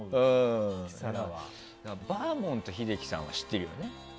バーモント秀樹さんは知ってるよね？